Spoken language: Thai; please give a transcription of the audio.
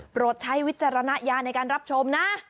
ใช้วิจารณญาณในการรับชมนะ